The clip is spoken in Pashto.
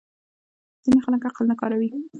ځینې خلک عقل نه کاروي.